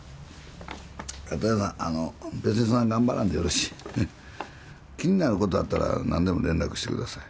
別にそんながんばらんでよろし気になることがあったら何でも連絡してください